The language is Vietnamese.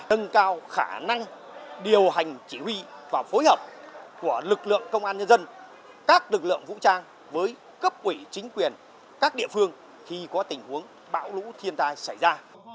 nâng cao khả năng điều hành chỉ huy và phối hợp của lực lượng công an nhân dân các lực lượng vũ trang với cấp ủy chính quyền các địa phương khi có tình huống bão lũ thiên tai xảy ra